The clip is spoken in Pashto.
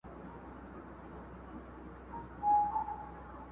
دا اوښکي څه دي دا پر چا باندي عرضونه کوې؟!